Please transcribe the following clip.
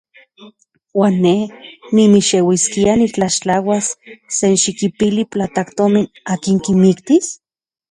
¿Uan ne nimixeuiskia nitlaxtlauas senxikipili platajtomin akin kimiktis?